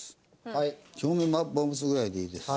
表面まぶすぐらいでいいです。